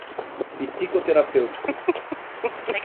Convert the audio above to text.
psicoterapêuticos